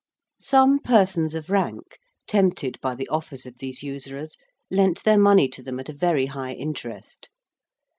Some persons of rank, tempted by the offers of these usurers, lent their money to them at a very high interest.